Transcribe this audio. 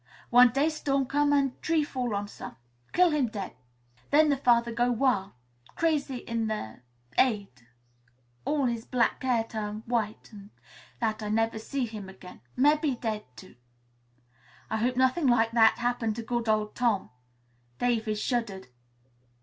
One day storm come an' tree fall on son. Kill him dead. Then the father go wil'; crazy in the 'aid. All his black hair turn white. After that I never see him again. Mebbe dead, too." "I hope nothing like that happened to good old Tom." David shuddered.